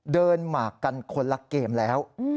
เดินมากันคนละเกมแล้ว